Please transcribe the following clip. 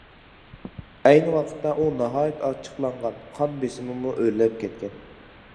ئەينى ۋاقىتتا ئۇ ناھايىتى ئاچچىقلانغان، قان بېسىمىمۇ ئۆرلەپ كەتكەن.